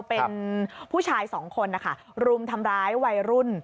เป็นผู้ชายสองคนนะคะรุมทำร้ายวัยรุ่น